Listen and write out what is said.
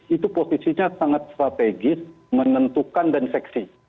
itu posisinya sangat strategis menentukan dan seksi